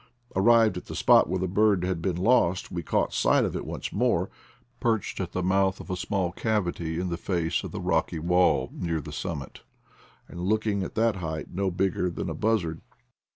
Arrived at the spot where the bird had been lost we caught sight of it once more, perched at the mouth of a small cavity in the face of the rocky wall near the summit, and looking at that height no bigger than a buzzard.